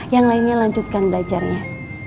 yang lainnya lanjutkan belajarnya